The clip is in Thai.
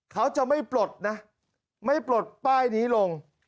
เขาจะไม่ปลดป้ายนี้ลง